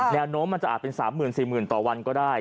แนวโน้มมันจะอาจเป็น๓๔๐๐๐ต่อวันก็ได้